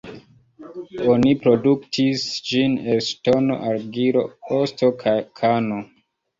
Oni produktis ĝin el ŝtono, argilo, osto kaj kano.